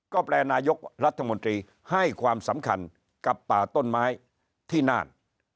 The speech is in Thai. ก็แปลนายกรัฐมนตรีให้ความสำคัญกับป่าต้นไม้ที่น่าน